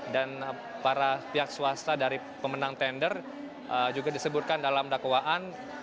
dan para pihak swasta dari pemenang tender juga disebutkan dalam dakwaan